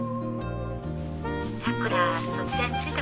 ☎さくらそちらに着いたかしら？